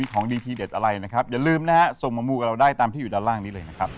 ขอบคุณครับ